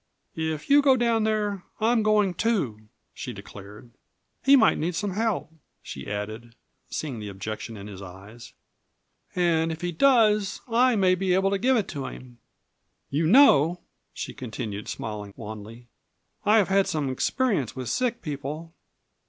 "If you go down there I am going, too!" she declared. "He might need some help," she added, seeing the objection in his eyes, "and if he does I may be able to give it to him. You know," she continued, smiling wanly, "I have had some experience with sick people."